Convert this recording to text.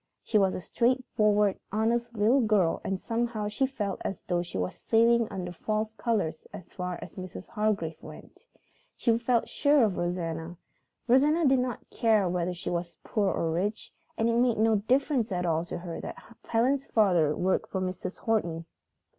She was a straightforward, honest little girl, and somehow she felt as though she was sailing under false colors as far as Mrs. Hargrave went. She felt sure of Rosanna; Rosanna did not care whether she was poor or rich, and it made no difference at all to her that Helen's father worked for Mrs. Horton.